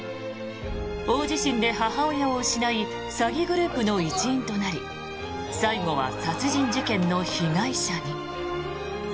大地震で母親を失い詐欺グループの一員となり最後は殺人事件の被害者に。